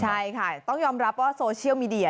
ใช่ค่ะต้องยอมรับว่าโซเชียลมีเดีย